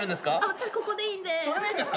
私ここでいいんで。